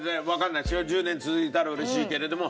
１０年続いたら嬉しいけれども。